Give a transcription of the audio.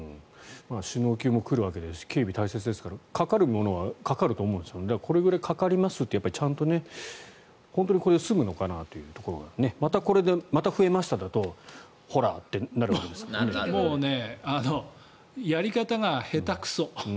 首脳級も来るわけで警備は大切ですからかかるものはかかると思うんですけどこれくらいかかりますってちゃんと本当にこれで済むのかなってこともまたこれで増えましたってなったらもう、やり方が下手くそ。